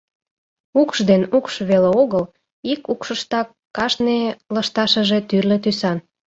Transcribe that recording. Укш ден укш веле огыл, ик укшыштак кажне лышташыже тӱрлӧ тӱсан.